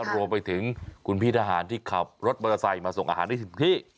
โรบไปถึงคุณพี่ทหารที่ขับรถบริษัทมาส่งอาหารที่๑๐ที่